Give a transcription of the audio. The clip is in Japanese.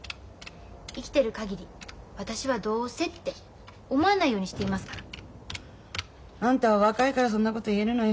生きてるかぎり私は「どうせ」って思わないようにしていますから。あんたは若いからそんなこと言えるのよ。